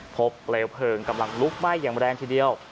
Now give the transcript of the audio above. เปลวเพลิงกำลังลุกไหม้อย่างแรงทีเดียว